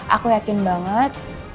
aku yakin banget